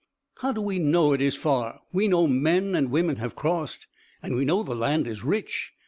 "How do we know it is far? We know men and women have crossed, and we know the land is rich.